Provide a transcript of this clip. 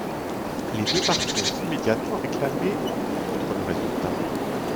Les deux parties ont immédiatement réclamé contre le résultat.